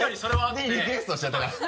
でリクエストしちゃった。